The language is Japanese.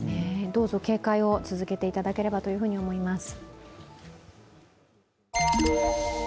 どうぞ警戒を続けていただければと思います。